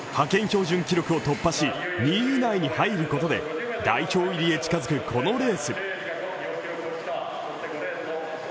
標準記録を突破し、２位以内に入ることで代表入りへ近づくこのレース。